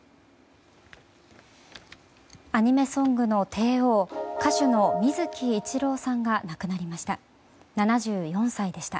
アニメソングの帝王歌手の水木一郎さんが亡くなりました。